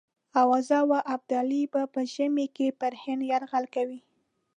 آوازه وه ابدالي به په ژمي کې پر هند یرغل کوي.